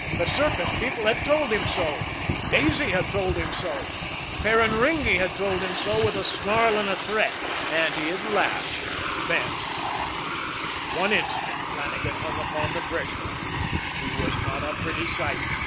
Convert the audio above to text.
The circus people had told him so; Daisy had told him so; Ferraringi had told him so with a snarl and a threat and he had laughed then. One instant Flannagan hung upon the threshold. He was not a pretty sight.